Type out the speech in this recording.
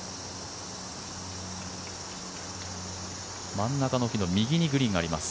真ん中の木の右にグリーンがあります。